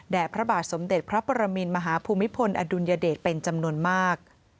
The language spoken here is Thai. พระบาทสมเด็จพระปรมินมหาภูมิพลอดุลยเดชเป็นจำนวนมาก